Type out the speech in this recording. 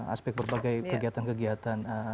aspek berbagai kegiatan kegiatan